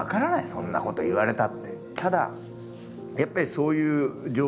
そんなこと言われたって。